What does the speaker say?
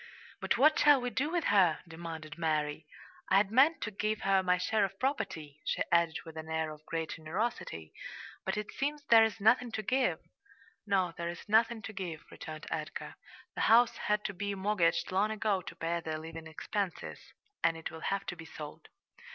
"But what shall we do with her?" demanded Mary. "I had meant to give her my share of the property," she added with an air of great generosity, "but it seems there's nothing to give." "No, there's nothing to give," returned Edgar. "The house had to be mortgaged long ago to pay their living expenses, and it will have to be sold."